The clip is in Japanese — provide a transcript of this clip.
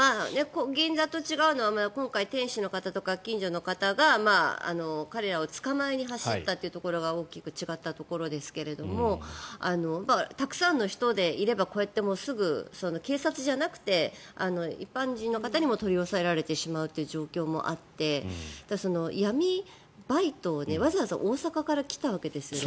銀座と違うのは歩行者とか近所の方が彼らを捕まえに走ったというのが大きく違ったところですがたくさん人がいればこうやって、警察じゃなくて一般人の方にも取り押さえられてしまうって状況もあって闇バイトを、わざわざ大阪から来たわけですよね。